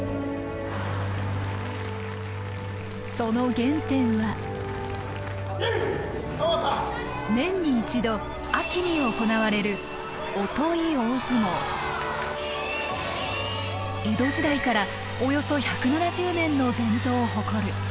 その原点は年に一度秋に行われる江戸時代からおよそ１７０年の伝統を誇る。